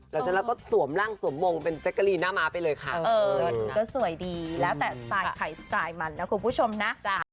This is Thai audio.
หลังจากนั้นเราก็สวมร่างสวมมงเป็นแจ๊กกะลีนหน้าม้าไปเลยค่ะก็สวยดีแล้วแต่สไตล์ใครสไตล์มันนะคุณผู้ชมนะ